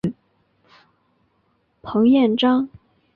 彭彦章。